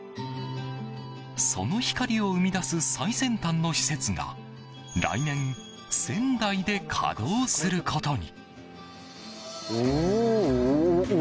その光を生み出す最先端の施設が来年、仙台で稼働することに。